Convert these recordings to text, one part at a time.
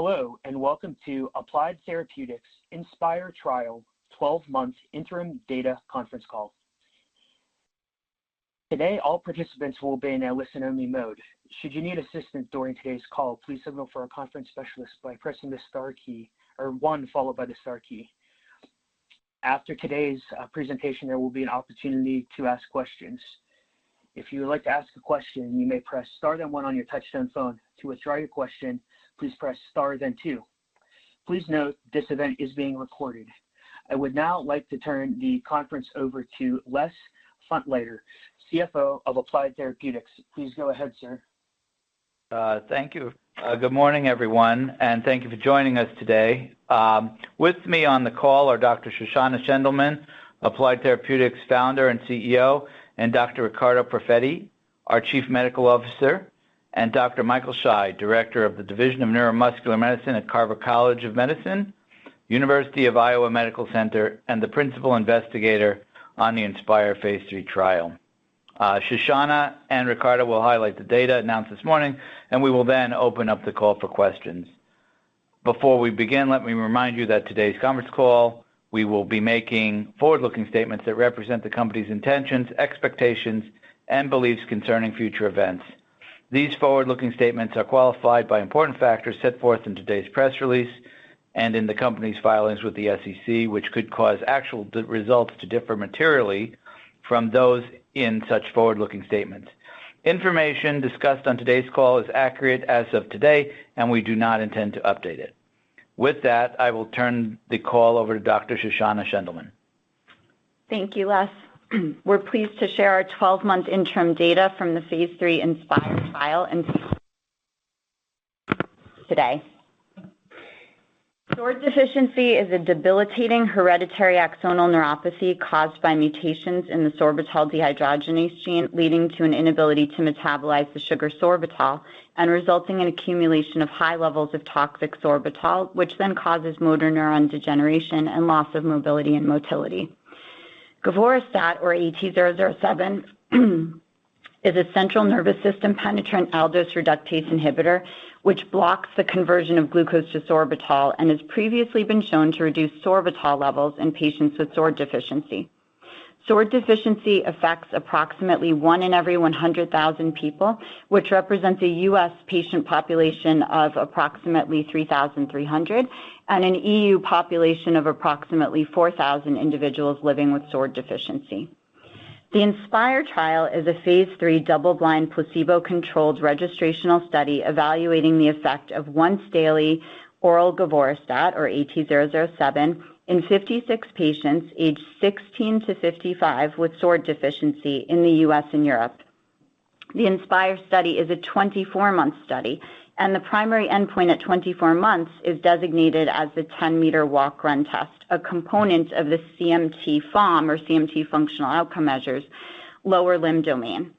Hello, and welcome to Applied Therapeutics INSPIRE Trial 12-month interim data conference call. Today, all participants will be in a listen-only mode. Should you need assistance during today's call, please signal for a conference specialist by pressing the star key or one followed by the star key. After today's presentation, there will be an opportunity to ask questions. If you would like to ask a question, you may press star then 1 on your touchtone phone. To withdraw your question, please press star then two. Please note, this event is being recorded. I would now like to turn the conference over to Les Funtleyder, CFO of Applied Therapeutics. Please go ahead, sir. Thank you. Good morning, everyone, and thank you for joining us today. With me on the call are Dr. Shoshana Shendelman, Applied Therapeutics Founder and CEO, and Dr. Riccardo Perfetti, our Chief Medical Officer, and Dr. Michael Shy, Director of the Division of Neuromuscular Medicine at Carver College of Medicine, University of Iowa Medical Center, and the Principal Investigator on the INSPIRE phase III trial. Shoshana and Riccardo will highlight the data announced this morning, and we will then open up the call for questions. Before we begin, let me remind you that today's conference call, we will be making forward-looking statements that represent the company's intentions, expectations, and beliefs concerning future events. These forward-looking statements are qualified by important factors set forth in today's press release and in the company's filings with the SEC, which could cause actual results to differ materially from those in such forward-looking statements. Information discussed on today's call is accurate as of today, and we do not intend to update it. With that, I will turn the call over to Dr. Shoshana Shendelman. Thank you, Les. We're pleased to share our 12-month interim data from the phase III INSPIRE trial today. SORD deficiency is a debilitating hereditary axonal neuropathy caused by mutations in the sorbitol dehydrogenase gene, leading to an inability to metabolize the sugar sorbitol and resulting in accumulation of high levels of toxic sorbitol, which then causes motor neuron degeneration and loss of mobility and motility. Govorestat, or AT-007, is a central nervous system penetrant aldose reductase inhibitor, which blocks the conversion of glucose to sorbitol and has previously been shown to reduce sorbitol levels in patients with SORD deficiency. SORD deficiency affects approximately 1 in every 100,000 people, which represents a U.S. patient population of approximately 3,300 and an EU population of approximately 4,000 individuals living with SORD deficiency. The INSPIRE trial is a phase III double-blind, placebo-controlled registrational study evaluating the effect of once daily oral govorestat or AT-007 in 56 patients aged 16-55 with SORD deficiency in the U.S. and Europe. The INSPIRE study is a 24-month study, and the primary endpoint at 24 months is designated as the 10-meter walk/run test, a component of the CMT-FOM or CMT Functional Outcome Measures, Lower Limb Domain.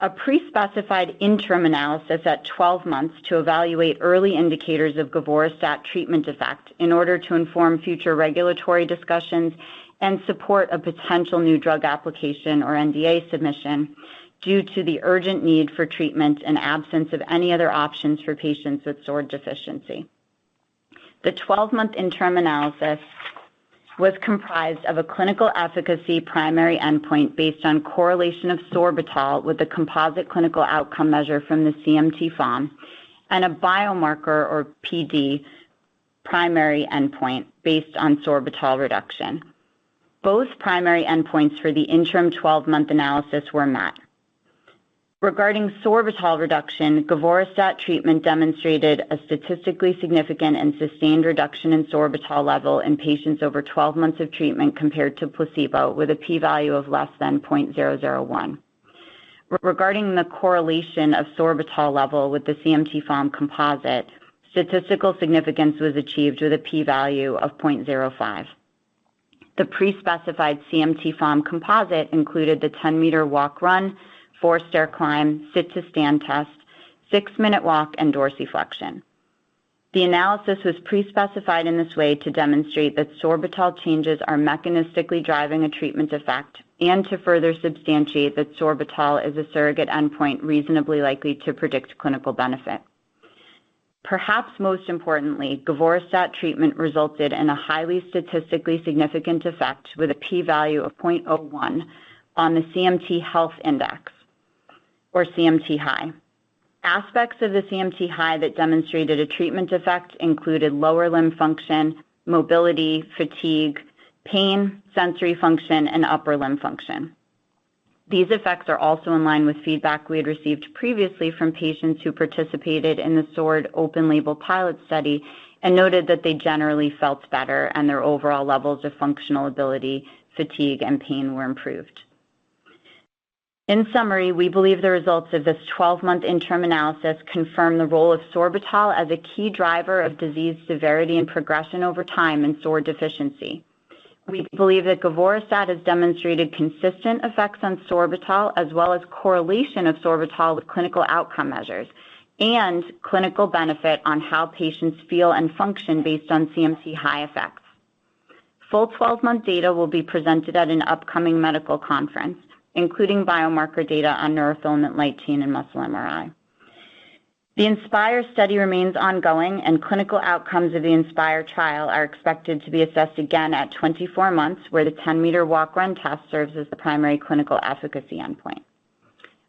A pre-specified interim analysis at 12 months to evaluate early indicators of govorestat treatment effect in order to inform future regulatory discussions and support a potential new drug application or NDA submission due to the urgent need for treatment and absence of any other options for patients with SORD deficiency. The 12-month interim analysis was comprised of a clinical efficacy primary endpoint based on correlation of sorbitol with the composite clinical outcome measure from the CMT-FOM and a biomarker or PD primary endpoint based on sorbitol reduction. Both primary endpoints for the interim 12-month analysis were met. Regarding sorbitol reduction, govorestat treatment demonstrated a statistically significant and sustained reduction in sorbitol level in patients over 12 months of treatment, compared to placebo with a p-value of less than 0.001. Regarding the correlation of sorbitol level with the CMT-FOM composite, statistical significance was achieved with a p-value of 0.05. The pre-specified CMT-FOM composite included the 10-meter walk/run, four-stair climb, sit-to-stand test, six-minute walk, and dorsiflexion. The analysis was pre-specified in this way to demonstrate that sorbitol changes are mechanistically driving a treatment effect and to further substantiate that sorbitol is a surrogate endpoint reasonably likely to predict clinical benefit. Perhaps most importantly, govorestat treatment resulted in a highly statistically significant effect, with a p-value of 0.01 on the CMT Health Index or CMT-HI. Aspects of the CMT-HI that demonstrated a treatment effect included lower limb function, mobility, fatigue, pain, sensory function, and upper limb function. These effects are also in line with feedback we had received previously from patients who participated in the SORD open label pilot study and noted that they generally felt better and their overall levels of functional ability, fatigue, and pain were improved. In summary, we believe the results of this 12-month interim analysis confirm the role of sorbitol as a key driver of disease severity and progression over time in SORD deficiency. We believe that govorestat has demonstrated consistent effects on sorbitol, as well as correlation of sorbitol with clinical outcome measures and clinical benefit on how patients feel and function based on CMT-HI effects. Full 12-month data will be presented at an upcoming medical conference, including biomarker data on neurofilament light chain and muscle MRI. The INSPIRE study remains ongoing, and clinical outcomes of the INSPIRE trial are expected to be assessed again at 24 months, where the 10-meter walk/run test serves as the primary clinical efficacy endpoint.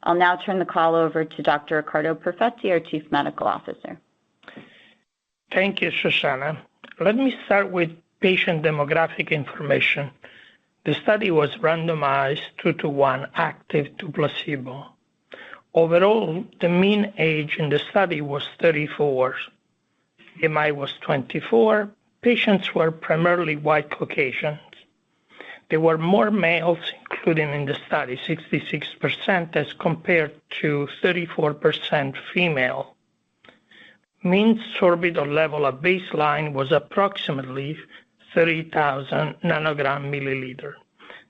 I'll now turn the call over to Dr. Riccardo Perfetti, our Chief Medical Officer. Thank you, Shoshana. Let me start with patient demographic information. The study was randomized 2-to-1, active-to-placebo. Overall, the mean age in the study was 34. BMI was 24. Patients were primarily white Caucasians. There were more males included in the study, 66% as compared to 34% female. Mean sorbitol level at baseline was approximately 30,000 ng/mL.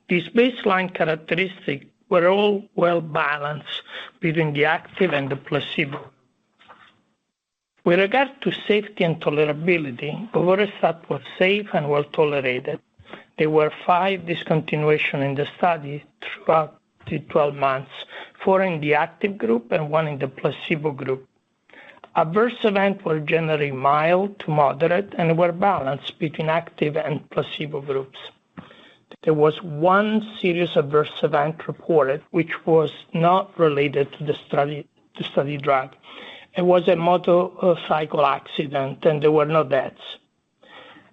These baseline characteristics were all well-balanced between the active and the placebo. With regard to safety and tolerability, govorestat was safe and well tolerated. There were five discontinuations in the study throughout the 12 months, four in the active group and one in the placebo group. Adverse events were generally mild to moderate and were balanced between active and placebo groups. There was one serious adverse event reported, which was not related to the study, the study drug. It was a motorcycle accident, and there were no deaths.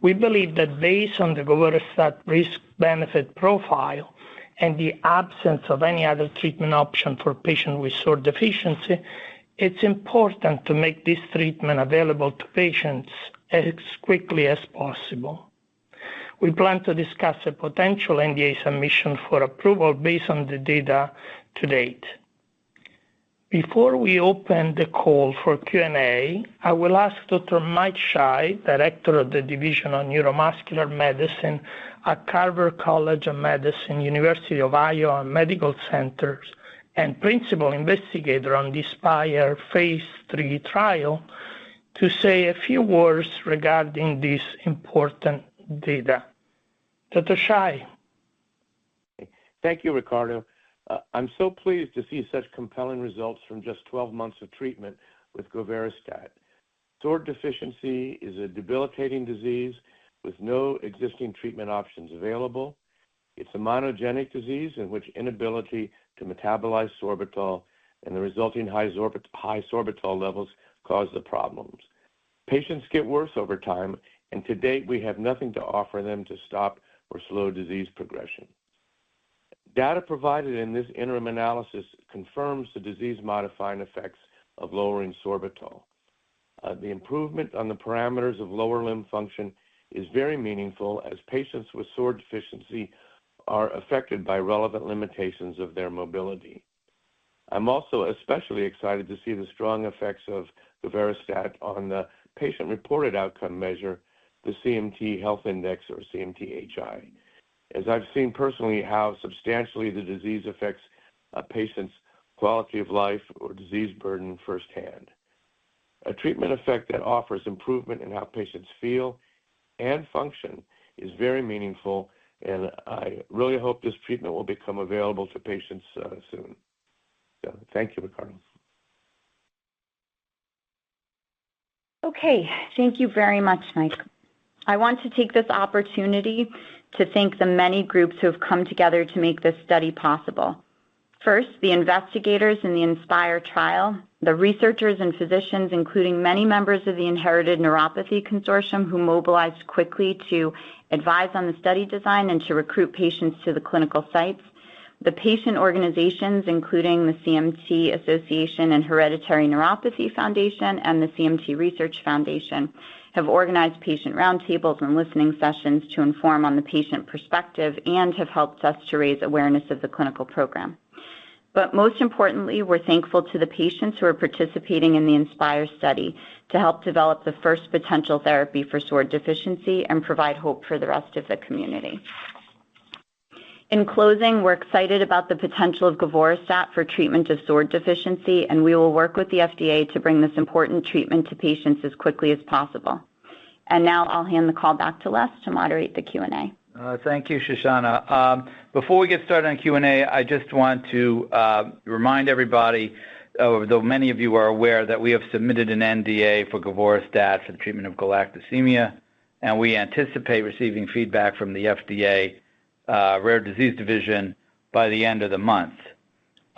We believe that based on the govorestat risk-benefit profile and the absence of any other treatment option for patients with SORD deficiency, it's important to make this treatment available to patients as quickly as possible. We plan to discuss a potential NDA submission for approval based on the data to date. Before we open the call for Q&A, I will ask Dr. Mike Shy, Director of the Division of Neuromuscular Medicine at Carver College of Medicine, University of Iowa Medical Center and Principal Investigator on the INSPIRE phase III trial, to say a few words regarding this important data. Dr. Shy? Thank you, Riccardo. I'm so pleased to see such compelling results from just 12 months of treatment with govorestat. SORD deficiency is a debilitating disease with no existing treatment options available. It's a monogenic disease in which inability to metabolize sorbitol and the resulting high sorbitol levels cause the problems. Patients get worse over time, and to date, we have nothing to offer them to stop or slow disease progression. Data provided in this interim analysis confirms the disease-modifying effects of lowering sorbitol. The improvement on the parameters of lower limb function is very meaningful as patients with SORD deficiency are affected by relevant limitations of their mobility. I'm also especially excited to see the strong effects of govorestat on the patient-reported outcome measure, the CMT Health Index or CMT-HI. As I've seen personally, how substantially the disease affects a patient's quality of life or disease burden firsthand. A treatment effect that offers improvement in how patients feel and function is very meaningful, and I really hope this treatment will become available to patients, soon. So thank you, Riccardo. Okay. Thank you very much, Mike. I want to take this opportunity to thank the many groups who have come together to make this study possible. First, the investigators in the INSPIRE trial, the researchers and physicians, including many members of the Inherited Neuropathy Consortium, who mobilized quickly to advise on the study design and to recruit patients to the clinical sites. The patient organizations, including the CMT Association and Hereditary Neuropathy Foundation and the CMT Research Foundation, have organized patient roundtables and listening sessions to inform on the patient perspective and have helped us to raise awareness of the clinical program. But most importantly, we're thankful to the patients who are participating in the INSPIRE study to help develop the first potential therapy for SORD deficiency and provide hope for the rest of the community. In closing, we're excited about the potential of govorestat for treatment of SORD deficiency, and we will work with the FDA to bring this important treatment to patients as quickly as possible. Now I'll hand the call back to Les to moderate the Q&A. Thank you, Shoshana. Before we get started on Q&A, I just want to remind everybody, though many of you are aware, that we have submitted an NDA for govorestat for the treatment of galactosemia, and we anticipate receiving feedback from the FDA, Rare Disease Division by the end of the month.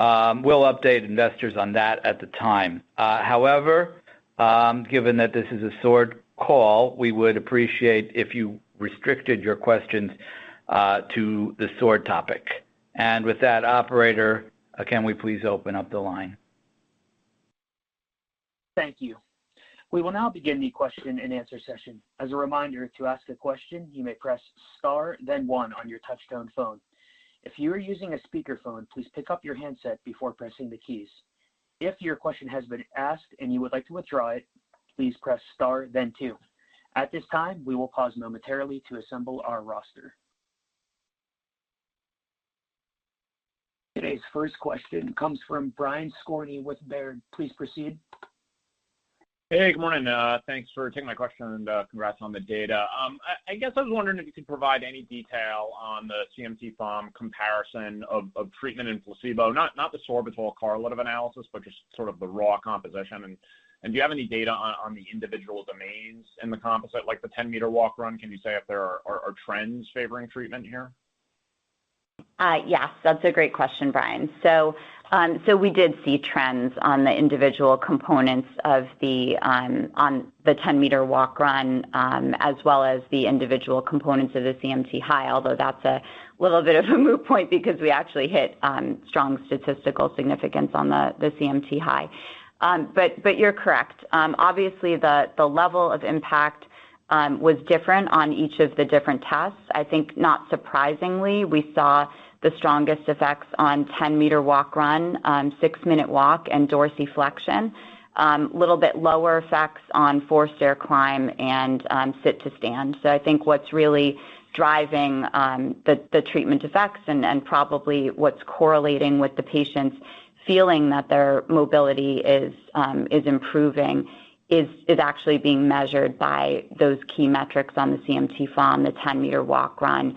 We'll update investors on that at the time. However, given that this is a SORD call, we would appreciate if you restricted your questions to the SORD topic. And with that, operator, can we please open up the line? Thank you. We will now begin the question and answer session. As a reminder, to ask a question, you may press star then one on your touchtone phone. If you are using a speakerphone, please pick up your handset before pressing the keys. If your question has been asked and you would like to withdraw it, please press star then two. At this time, we will pause momentarily to assemble our roster. Today's first question comes from Brian Skorney with Baird. Please proceed. Hey, good morning. Thanks for taking my question, and congrats on the data. I guess I was wondering if you could provide any detail on the CMT-FOM comparison of treatment and placebo, not the sorbitol carryover analysis, but just sort of the raw comparison. And do you have any data on the individual domains in the composite, like the 10-meter walk/run? Can you say if there are trends favoring treatment here? Yes, that's a great question, Brian. So, we did see trends on the individual components of the 10-meter walk/run, as well as the individual components of the CMT-HI, although that's a little bit of a moot point because we actually hit strong statistical significance on the CMT-HI. But, you're correct. Obviously, the level of impact was different on each of the different tests. I think not surprisingly, we saw the strongest effects on 10-meter walk/run, six-minute walk, and dorsiflexion. Little bit lower effects on four-stair climb and sit-to-stand. So I think what's really driving the treatment effects and probably what's correlating with the patients feeling that their mobility is improving is actually being measured by those key metrics on the CMT-FOM, the 10-meter walk/run,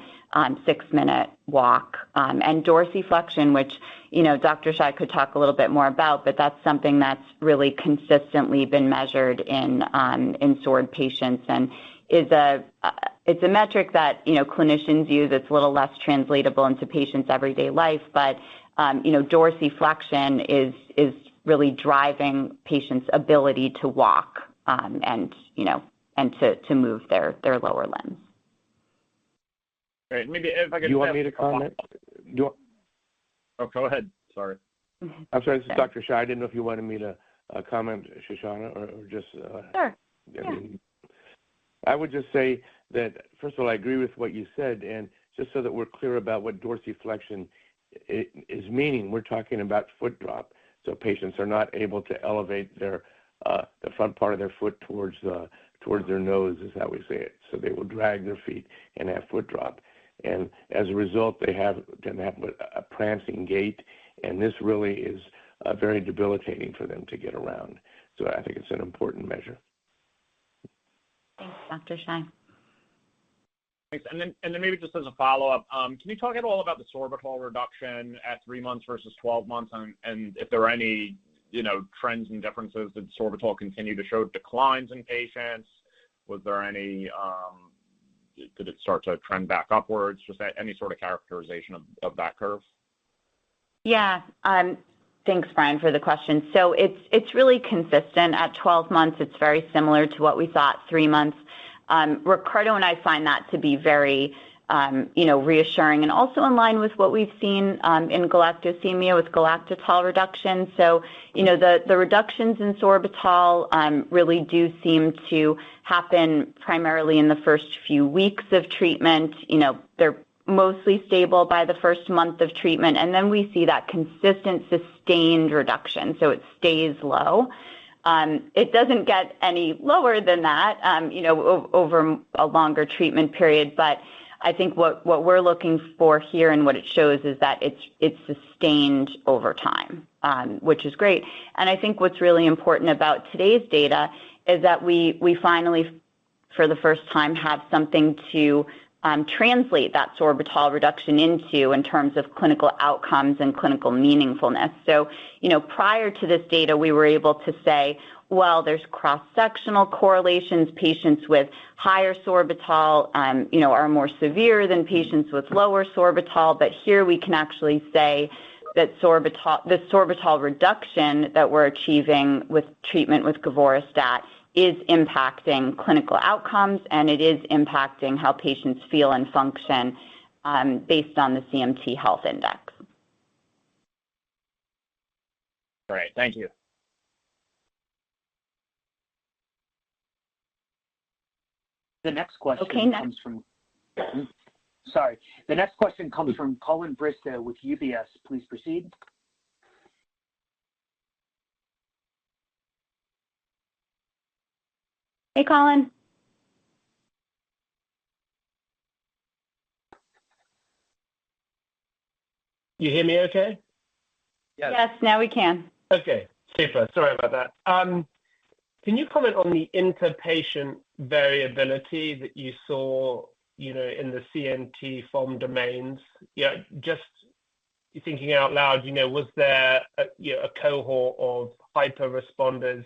six-minute walk, and dorsiflexion, which, you know, Dr. Shy could talk a little bit more about, but that's something that's really consistently been measured in SORD patients and it's a metric that, you know, clinicians use. It's a little less translatable into patients' everyday life, but, you know, dorsiflexion is really driving patients' ability to walk, and, you know, and to move their lower limbs. Great. Maybe if I could- Do you want me to comment? Do you- Oh, go ahead. Sorry. I'm sorry. This is Dr. Shy. I didn't know if you wanted me to comment, Shoshana, or just, Sure. Yeah. I would just say that, first of all, I agree with what you said, and just so that we're clear about what dorsiflexion is meaning, we're talking about foot drop. So patients are not able to elevate their, the front part of their foot towards their nose, is how we say it. So they will drag their feet and have foot drop, and as a result, they have, can have a prancing gait, and this really is very debilitating for them to get around. So I think it's an important measure. Thanks, Dr. Shy. Thanks. Then maybe just as a follow-up, can you talk at all about the sorbitol reduction at three months versus 12 months and if there are any, you know, trends and differences? Did sorbitol continue to show declines in patients? Was there any... Did it start to trend back upwards? Just any sort of characterization of that curve. Yeah. Thanks, Brian, for the question. So it's really consistent. At 12 months, it's very similar to what we saw at three months. Ricardo and I find that to be very, you know, reassuring and also in line with what we've seen in galactosemia with galactitol reduction. So, you know, the reductions in sorbitol really do seem to happen primarily in the first few weeks of treatment. You know, they're mostly stable by the first month of treatment, and then we see that consistent, sustained reduction, so it stays low. It doesn't get any lower than that, you know, over a longer treatment period, but I think what we're looking for here and what it shows is that it's sustained over time, which is great. I think what's really important about today's data is that we finally, for the first time, have something to translate that sorbitol reduction into in terms of clinical outcomes and clinical meaningfulness. So, you know, prior to this data, we were able to say, "Well, there's cross-sectional correlations. Patients with higher sorbitol, you know, are more severe than patients with lower sorbitol." But here we can actually say that the sorbitol reduction that we're achieving with treatment with govorestat is impacting clinical outcomes, and it is impacting how patients feel and function, based on the CMT Health Index. Great. Thank you. The next question- Okay, next- Comes from... Sorry. The next question comes from Colin Bristow with UBS. Please proceed. Hey, Colin. You hear me okay? Yes, now we can. Okay, super. Sorry about that. Can you comment on the interpatient variability that you saw, you know, in the CMT-FOM domains? Yeah, just thinking out loud, you know, was there a cohort of hyperresponders?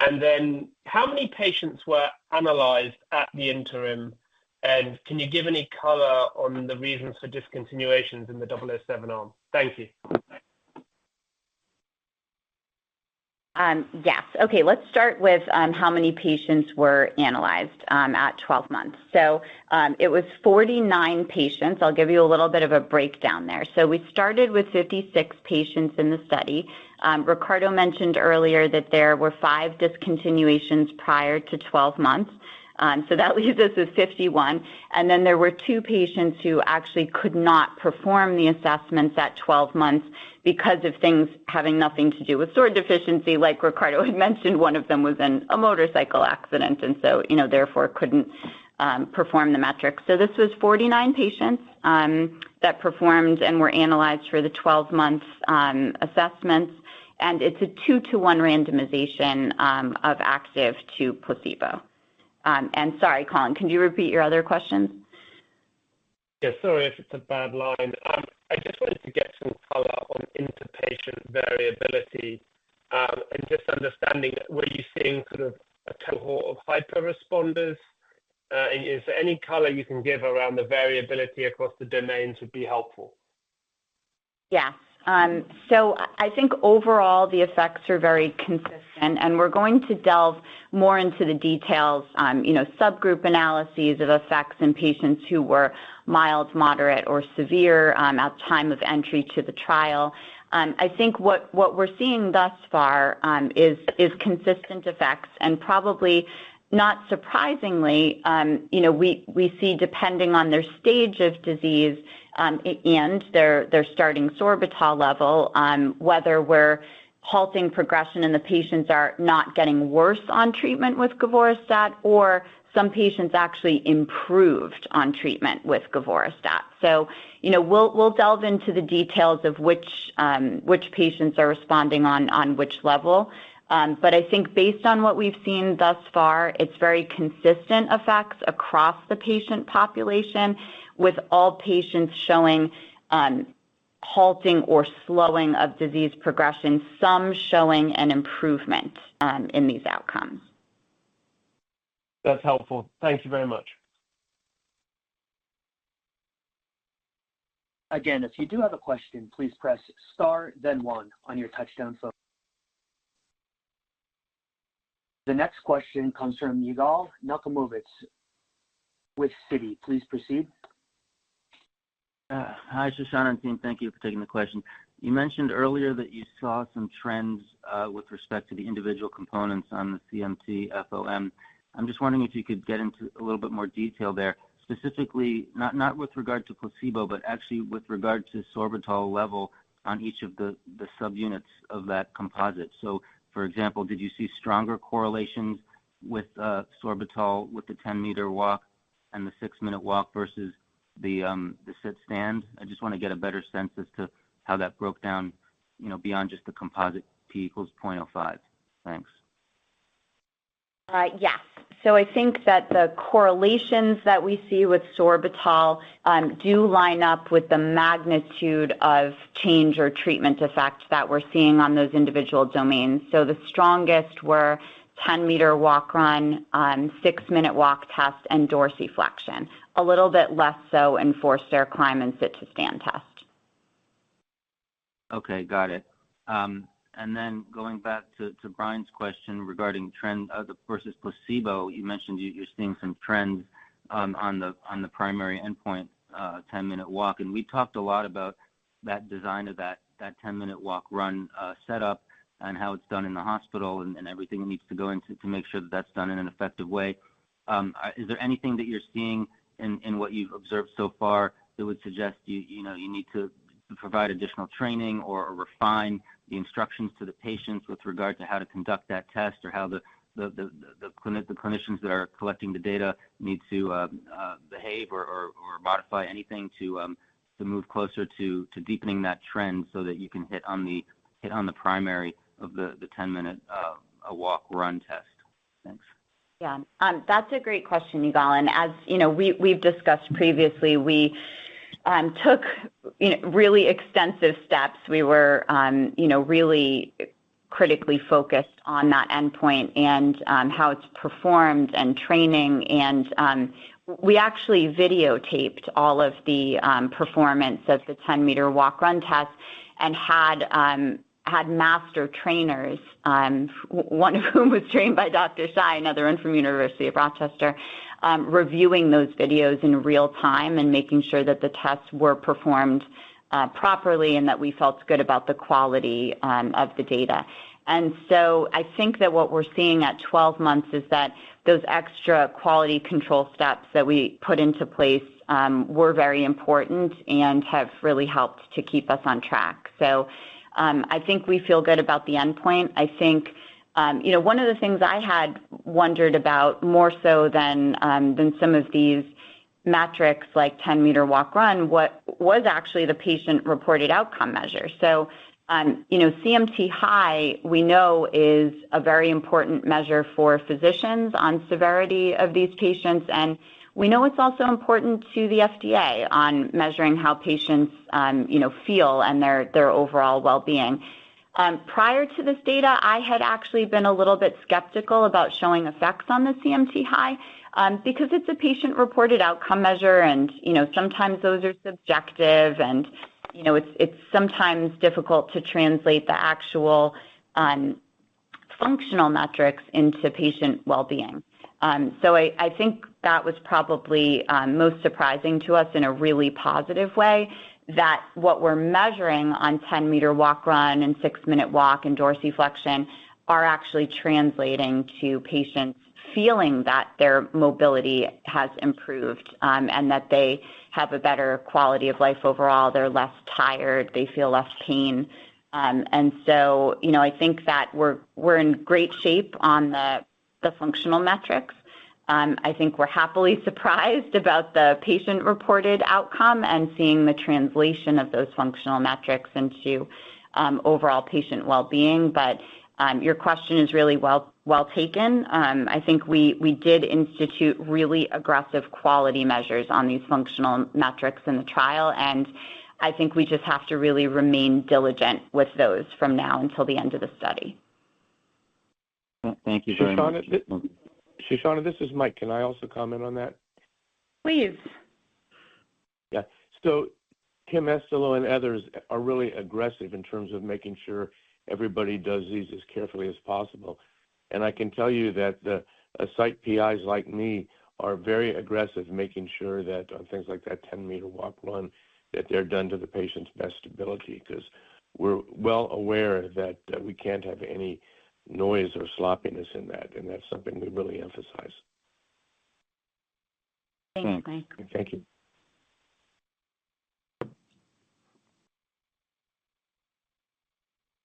And then how many patients were analyzed at the interim, and can you give any color on the reasons for discontinuations in the 007 arm? Thank you. Yes. Okay, let's start with how many patients were analyzed at 12 months. So, it was 49 patients. I'll give you a little bit of a breakdown there. So we started with 56 patients in the study. Riccardo mentioned earlier that there were five discontinuations prior to 12 months, so that leaves us with 51. And then there were two patients who actually could not perform the assessments at 12 months because of things having nothing to do with SORD deficiency. Like Riccardo had mentioned, one of them was in a motorcycle accident, and so, you know, therefore, couldn't perform the metrics. So this was 49 patients that performed and were analyzed for the 12 months assessments, and it's a 2-to-1 randomization of active-to-placebo. And sorry, Colin, can you repeat your other question? Yeah, sorry if it's a bad line. I just wanted to get some color on interpatient variability, and just understanding were you seeing sort of a cohort of hyperresponders? And if any color you can give around the variability across the domains would be helpful. Yeah. So I, I think overall the effects are very consistent, and we're going to delve more into the details, you know, subgroup analyses of effects in patients who were mild, moderate, or severe at time of entry to the trial. I think what, what we're seeing thus far is, is consistent effects and probably not surprisingly, you know, we, we see depending on their stage of disease and their, their starting sorbitol level whether we're halting progression and the patients are not getting worse on treatment with govorestat or some patients actually improved on treatment with govorestat. So, you know, we'll, we'll delve into the details of which, which patients are responding on, on which level. But I think based on what we've seen thus far, it's very consistent effects across the patient population, with all patients showing halting or slowing of disease progression, some showing an improvement in these outcomes. That's helpful. Thank you very much. Again, if you do have a question, please press Star, then one on your touchtone phone. The next question comes from Yigal Nochomovitz with Citi. Please proceed. Hi, Shoshana and team. Thank you for taking the question. You mentioned earlier that you saw some trends with respect to the individual components on the CMT-FOM. I'm just wondering if you could get into a little bit more detail there, specifically, not with regard to placebo, but actually with regard to sorbitol level on each of the subunits of that composite. So for example, did you see stronger correlations with sorbitol with the 10-meter walk and the six-minute walk versus the sit-stand? I just wanna get a better sense as to how that broke down, you know, beyond just the composite p = 0.05. Thanks. Yes. So I think that the correlations that we see with sorbitol do line up with the magnitude of change or treatment effect that we're seeing on those individual domains. So the strongest were 10-meter walk/run, six-minute walk test, and dorsiflexion. A little bit less so in four-stair climb and sit-to-stand test. Okay, got it. And then going back to, to Brian's question regarding trend, the versus placebo, you mentioned you, you're seeing some trends, on the, on the primary endpoint, 10-meter walk. And we talked a lot about that design of that, that 10-meter walk-run, setup and how it's done in the hospital and, and everything that needs to go into to make sure that that's done in an effective way. Is there anything that you're seeing in, in what you've observed so far that would suggest you, you know, you need to provide additional training or, or refine the instructions to the patients with regard to how to conduct that test? Or how the clinic, the clinicians that are collecting the data need to behave or modify anything to move closer to deepening that trend so that you can hit on the primary of the 10-meter walk-run test? Thanks. Yeah. That's a great question, Yigal. And as you know, we, we've discussed previously, we took, you know, really extensive steps. We were, you know, really critically focused on that endpoint and how it's performed and training. And we actually videotaped all of the performance of the 10-meter walk-run test and had master trainers, one of whom was trained by Dr. Shy, another one from University of Rochester, reviewing those videos in real time and making sure that the tests were performed properly and that we felt good about the quality of the data. And so I think that what we're seeing at 12 months is that those extra quality control steps that we put into place were very important and have really helped to keep us on track. So, I think we feel good about the endpoint. I think, you know, one of the things I had wondered about more so than than some of these metrics, like 10-meter walk-run, what was actually the patient-reported outcome measure. So, you know, CMT-HI, we know is a very important measure for physicians on severity of these patients, and we know it's also important to the FDA on measuring how patients, you know, feel and their, their overall well-being. Prior to this data, I had actually been a little bit skeptical about showing effects on the CMT-HI, because it's a patient-reported outcome measure and, you know, sometimes those are subjective and, you know, it's, it's sometimes difficult to translate the actual, functional metrics into patient well-being. So I think that was probably most surprising to us in a really positive way, that what we're measuring on 10-meter walk-run and six-minute walk and dorsiflexion are actually translating to patients feeling that their mobility has improved, and that they have a better quality of life overall. They're less tired, they feel less pain. And so, you know, I think that we're in great shape on the functional metrics. I think we're happily surprised about the patient-reported outcome and seeing the translation of those functional metrics into overall patient well-being. But your question is really well taken. I think we did institute really aggressive quality measures on these functional metrics in the trial, and I think we just have to really remain diligent with those from now until the end of the study. Thank you very much. Shoshana, Shoshana, this is Mike. Can I also comment on that? Please. Yeah. So Tim Estilow and others are really aggressive in terms of making sure everybody does these as carefully as possible. And I can tell you that the site PIs like me are very aggressive, making sure that things like that 10-meter walk-run that they're done to the patient's best ability, because we're well aware that we can't have any noise or sloppiness in that, and that's something we really emphasize. Thanks, Mike. Thank you.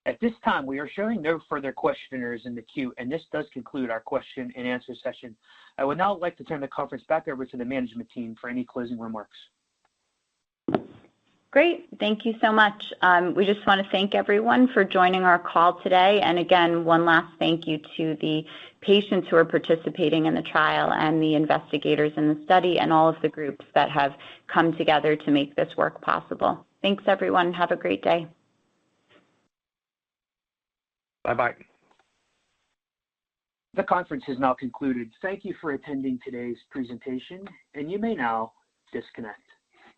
At this time, we are showing no further questioners in the queue, and this does conclude our question and answer session. I would now like to turn the conference back over to the management team for any closing remarks. Great. Thank you so much. We just want to thank everyone for joining our call today. Again, one last thank you to the patients who are participating in the trial and the investigators in the study, and all of the groups that have come together to make this work possible. Thanks, everyone, and have a great day. Bye-bye. The conference is now concluded. Thank you for attending today's presentation, and you may now disconnect.